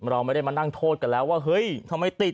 เราไม่ได้มานั่งโทษกันแล้วว่าเฮ้ยทำไมติด